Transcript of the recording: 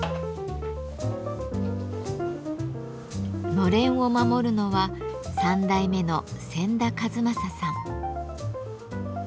のれんを守るのは３代目の仙田和雅さん。